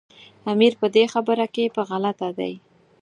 امیر په دې خبره کې په غلطه دی.